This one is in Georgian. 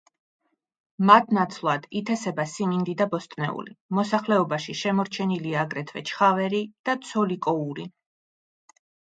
მათ ნაცვლად ითესება სიმინდი და ბოსტნეული, მოსახლეობაში შემორჩენილია აგრეთვე ჩხავერი და ცოლიკოური.